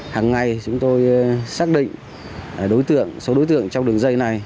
hằng ngày chúng tôi xác định số đối tượng trong đường dây này